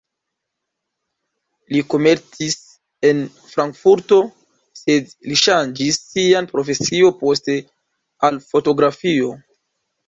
Li komercis en Frankfurto, sed li ŝanĝis sian profesion poste al fotografio.